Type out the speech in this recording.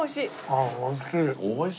ああおいしい。